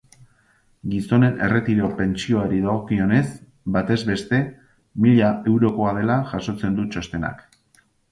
Gizonen erretiro-pentsioari dagokionez, batez beste mila eurokoa dela jasotzen du txostenak.